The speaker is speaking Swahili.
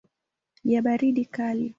ya baridi kali.